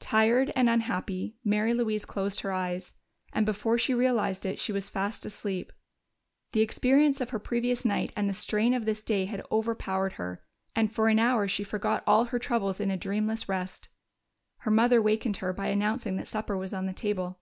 Tired and unhappy, Mary Louise closed her eyes, and before she realized it she was fast asleep. The experience of the previous night and the strain of this day had overpowered her, and for an hour she forgot all her troubles in a dreamless rest. Her mother wakened her by announcing that supper was on the table.